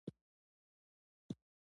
د ژبې په پرمختګ کې برخه اخلم. زه ژمن یم